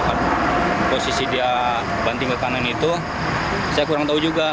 karena posisi dia banting ke kanan itu saya kurang tahu juga